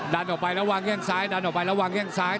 ดันออกไปแล้ววางแข้งซ้ายดันออกไปแล้ววางแข้งซ้าย